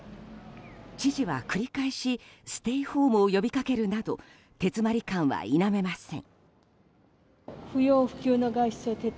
知事は繰り返しステイホームを呼び掛けるなど手詰まり感は否めません。